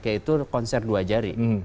yaitu konser dua jari